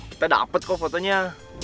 kita dapet kok fotonya